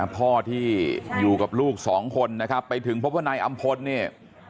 พ่อที่อยู่กับลูกสองคนนะครับไปถึงพบว่านายอำพลเนี่ย